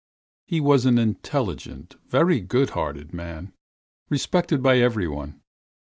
He was an intelligent, very good hearted man, respected by everyone.